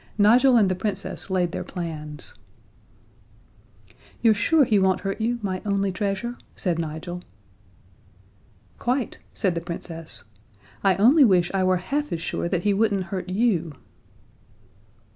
Nigel and the Princess laid their plans. "You're sure he won't hurt you, my only treasure?" said Nigel. "Quite," said the Princess. "I only wish I were half as sure that he wouldn't hurt you."